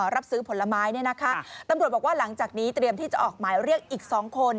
รับซื้อผลไม้เนี่ยนะคะตำรวจบอกว่าหลังจากนี้เตรียมที่จะออกหมายเรียกอีก๒คน